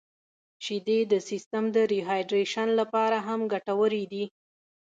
• شیدې د سیستم د ریهایدریشن لپاره هم ګټورې دي.